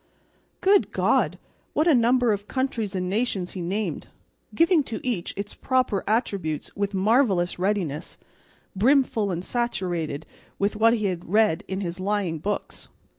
Good God! what a number of countries and nations he named! giving to each its proper attributes with marvellous readiness; brimful and saturated with what he had read in his lying books!